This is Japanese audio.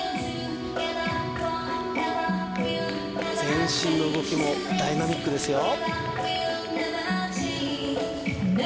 全身の動きもダイナミックですよ